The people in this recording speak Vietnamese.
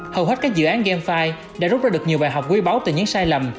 hầu hết các dự án gamefi đã rút ra được nhiều bài học quý báu từ những sai lầm